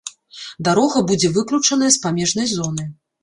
Дарога будзе выключаная з памежнай зоны.